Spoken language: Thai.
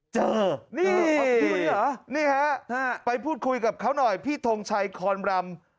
เจอนี่เหรอนี่ฮะไปพูดคุยกับเขาหน่อยพี่ทงชัยคอนรำ